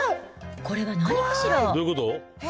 これは何かしら。